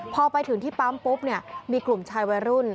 พอไปถึงที่ปั๊มปุ๊บเนี่ยมีกลุ่มชายวัยรุ่น